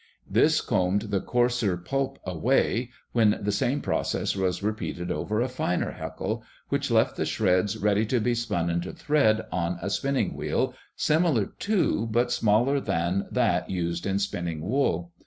This combed the coarser pulp away, when the same process was repeated over a finer heckle, which left the shreds ready to be spun into thread on a spinning wheel similar to, but smaller than that used in spinning wool.